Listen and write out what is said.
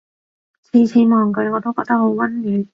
次次望佢我都覺得好溫暖